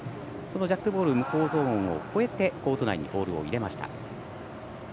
ジャックボール無効ゾーンを越えてコート内にボールを入れました。